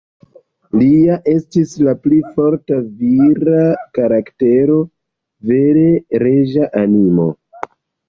Lia estis la pli forta, vira karaktero; vere reĝa animo.